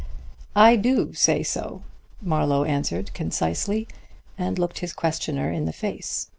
"I do say so," Marlowe answered concisely, and looked his questioner in the face.